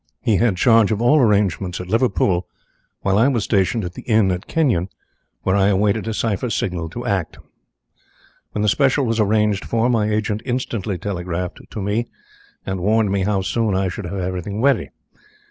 He had charge of all arrangements at Liverpool, whilst I was stationed at the inn at Kenyon, where I awaited a cipher signal to act. When the special was arranged for, my agent instantly telegraphed to me and warned me how soon I should have everything ready.